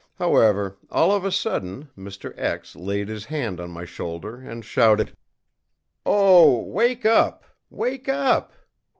However, all of a sudden Mr. laid his hand on my shoulder and shouted: ìOh, wake up! wake up!